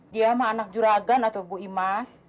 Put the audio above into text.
dia mah anak juragan atau bu imas